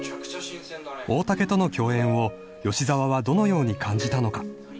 ［大竹との共演を吉沢はどのように感じたのか？］